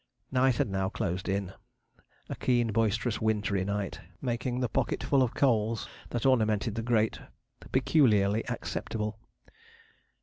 Night had now closed in a keen, boisterous, wintry night, making the pocketful of coals that ornamented the grate peculiarly acceptable.